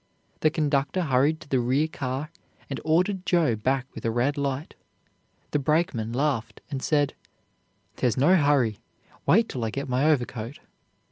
The conductor hurried to the rear car, and ordered Joe back with a red light. The brakeman laughed and said: "There's no hurry. Wait till I get my overcoat."